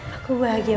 aku mau pergi ke mama